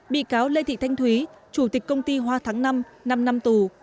bị cáo lê thị thanh thúy chủ tịch công ty hoa thắng năm năm tù